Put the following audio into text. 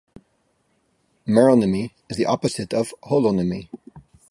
Meronymy is the opposite of holonymy.